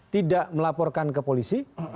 tidak melaporkan ke polisi